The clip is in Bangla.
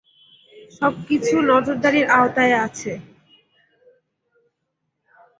সবকিছু নজরদারীর আওতাতেই আছে।